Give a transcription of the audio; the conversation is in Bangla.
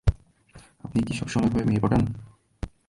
আপনি কি সবসময় এভাবে মেয়ে পটান?